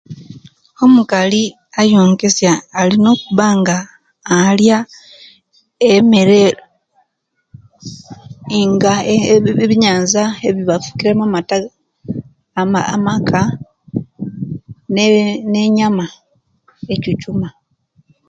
Omukali ayonkesiya alina okubanga aliya emere nga abiyenyanza ebibasukire mu amata amaka ne enyama ekyukyuma